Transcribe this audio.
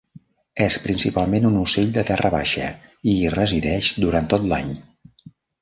És principalment un ocell de terra baixa i hi resideix durant tot l'any.